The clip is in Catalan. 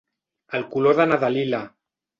El color de na Dalila.